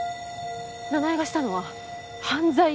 奈々江がしたのは犯罪よ？